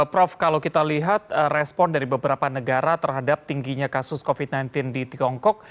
prof kalau kita lihat respon dari beberapa negara terhadap tingginya kasus covid sembilan belas di tiongkok